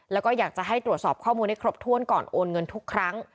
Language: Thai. แล้วก็อยากจะให้ตรวจสอบข้อมูลให้ครบถ้วนก่อนโอนเงินทุกครั้ง